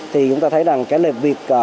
thì chúng ta thấy rằng cái lệnh việc